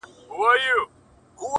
نس مي موړ دی تن مي پټ دی اوښ مي بار دی،